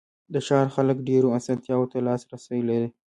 د ښار خلک ډېرو آسانتیاوو ته لاسرسی لري.